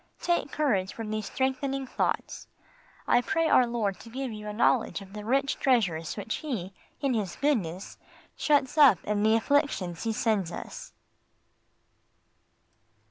Take courage from these strengthening thoughts. I pray Our Lord to give you a knowledge of the rich treasures which He, in His goodness, shuts up in the afflictions He sends us.